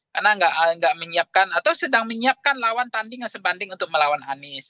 karena nggak menyiapkan atau sedang menyiapkan lawan tanding yang sebanding untuk melawan anies